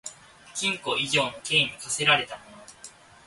禁錮以上の刑に処せられた者